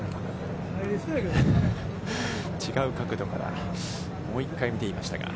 違う角度から、もう１回、見ていましたが。